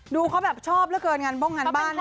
ดูเขาแบบชอบเหลือเกินงานบ้งงานบ้านนะ